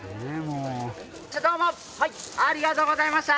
じゃあどうもはいありがとうございました！